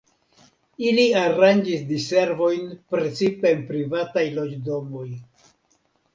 Ili aranĝis diservojn precipe en privataj loĝdomoj.